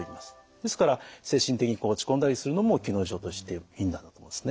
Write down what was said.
ですから精神的にこう落ち込んだりするのも気の異常としていいんだと思いますね。